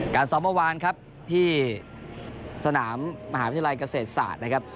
ซ้อมเมื่อวานครับที่สนามมหาวิทยาลัยเกษตรศาสตร์นะครับ